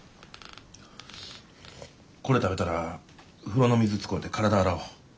これ食べたら風呂の水使うて体洗お。